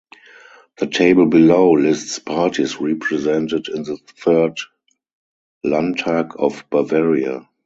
The table below lists parties represented in the Third Landtag of Bavaria.